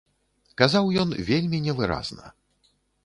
Казаў ён вельмі невыразна.